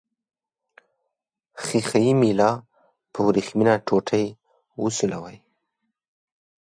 ښيښه یي میله په وریښمینه ټوټې وسولوئ.